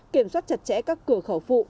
kiểm soát chặt chẽ các cửa khẩu phụ